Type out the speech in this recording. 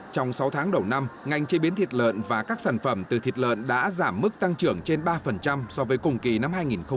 trong sáu tháng đầu năm ngành chế biến thịt lợn và các sản phẩm từ thịt lợn đã giảm mức tăng trưởng trên ba so với cùng kỳ năm hai nghìn một mươi chín